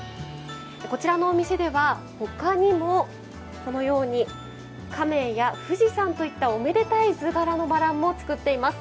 こちらのお店ではほかにもこのように亀や富士山といったおめでたい図柄のバランも作っています。